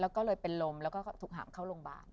แล้วก็เลยเป็นลมแล้วก็ถูกหามเข้าโรงพยาบาล